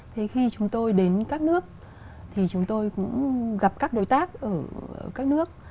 thế khi chúng tôi đến các nước thì chúng tôi cũng gặp các đối tác ở các nước